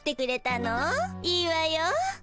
いいわよ。